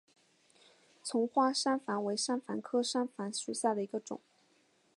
丛花山矾为山矾科山矾属下的一个种。